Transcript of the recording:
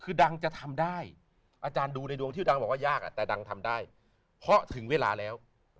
คือดังจะทำได้อาจารย์ดูในดวงที่ดังบอกว่ายากแต่ดังทำได้เพราะถึงเวลาแล้ว